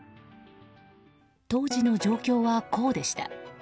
当時の状況はこうでした。